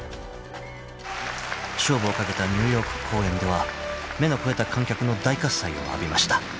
［勝負を懸けたニューヨーク公演では目の肥えた観客の大喝采を浴びました］